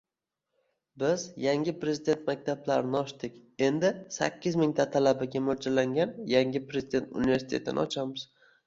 Biz yangi prezident maktablarini ochdik, endi sakkiz mingta talabaga moʻljallangan yangi prezident universitetini ochamiz.